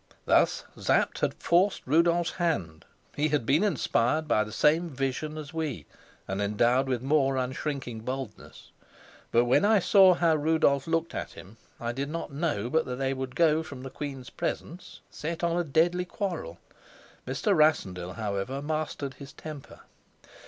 Thus Sapt had forced Rudolf's hand; he had been inspired by the same vision as we, and endowed with more unshrinking boldness. But when I saw how Rudolf looked at him, I did not know but that they would go from the queen's presence set on a deadly quarrel. Mr. Rassendyll, however, mastered his temper.